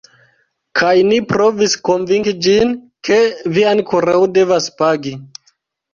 Kaj ni provis konvinki ĝin, ke vi ankoraŭ devas pagi.